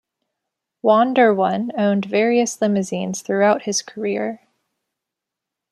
Wanderone owned various limousines throughout his career.